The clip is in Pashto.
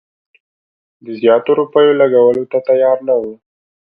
د زیاتو روپیو لګولو ته تیار نه وو.